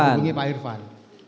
menghubungi pak irfan